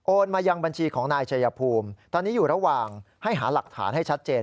มายังบัญชีของนายชายภูมิตอนนี้อยู่ระหว่างให้หาหลักฐานให้ชัดเจน